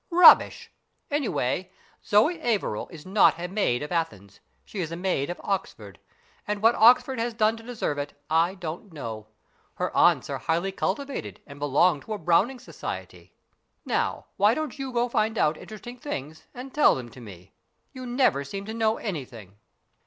" Rubbish ! Anyhow, Zoe Averil is not a maid of Athens. She is a maid of Oxford. And what Oxford has done to deserve it I don't know. Her aunts are highly cultivated and belong to a Browning society. Now, why don't you find out interesting things and tell them to me? You never seem to know anything."